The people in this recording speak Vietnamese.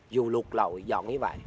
dù lụt lậu dọn như vậy